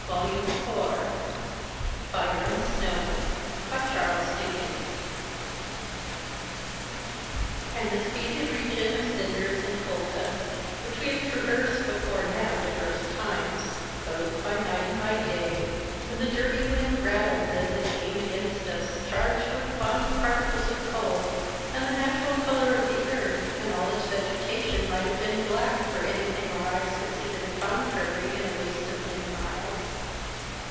Office No. 17 Sprucb stkkbt, New York. Whole No. 200. FIRE AND SNOW. Can this be the region of cinders and coal dust, which we have traversed before now, divers times, both by night and by day, when the dirty wind rattled as it came against us charged with fine particles of coal, and the natural colour of the earth and all its vege tation might have been black, for anything our eyes could see to the contrary in a waste of many miles